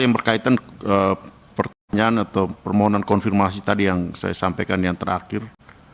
yang berkaitan pertanyaan atau permohonan konfirmasi tadi yang saya sampaikan yang terakhir